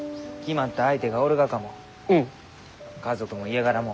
家族も家柄も。